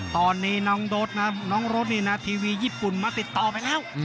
ตอนนี้น้องรถนี่นะทีวีญี่ปุ่นมาติดต่อไปแล้ว